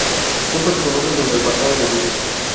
Poco se conoce sobre el pasado de Gus.